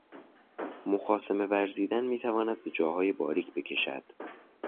مخاصمه ورزیدن میتواند به جاهای باریک بکشد